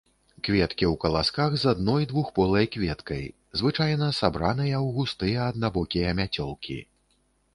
Кветкі ў каласках з адной двухполай кветкай, звычайна сабраныя ў густыя аднабокія мяцёлкі.